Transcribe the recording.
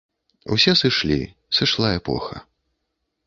Усе сышлі, сышла эпоха.